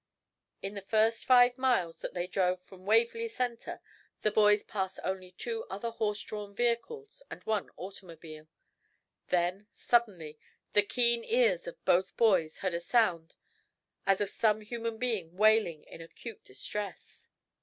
In the first five miles that they drove from Waverly Center the boys passed only two other horse drawn vehicles and one automobile. Then, suddenly, the keen ears of both boys heard a sound as of some human being wailing in acute distress.